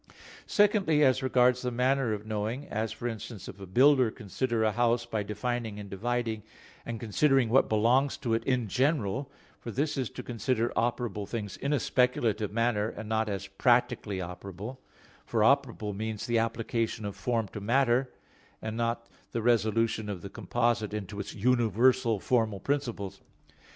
Secondly, as regards the manner of knowing as, for instance, if a builder consider a house by defining and dividing, and considering what belongs to it in general: for this is to consider operable things in a speculative manner, and not as practically operable; for operable means the application of form to matter, and not the resolution of the composite into its universal formal principles.